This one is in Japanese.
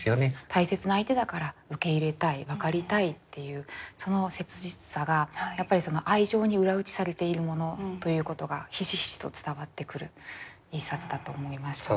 大切な相手だから受け入れたい分かりたいっていうその切実さが愛情に裏打ちされているものということがひしひしと伝わってくる一冊だと思いました。